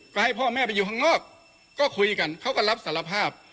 ก็ให้พ่อแม่ไปอยู่ข้างนอกก็คุยกันเขาก็รับสารภาพ